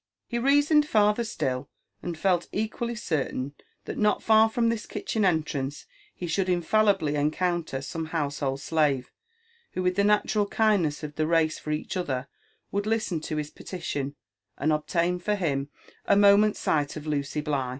He reasoned farther still, and felt equally certain that not far from this kitchen* entrance he should infailibly encounter some household slave, who, with the natural kindness of the race for each other, would listen to bis petition, and obtain for him a moment's sight of Lucy Bligb.